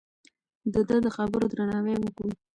د ده د خبرو درناوی وکړو.